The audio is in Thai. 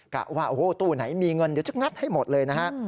กะว่าโอ้โหตู้ไหนมีเงินเดี๋ยวจะงัดให้หมดเลยนะฮะ